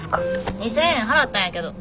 ２，０００円払ったんやけど。